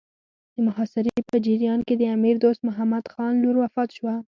د محاصرې په جریان کې د امیر دوست محمد خان لور وفات شوه.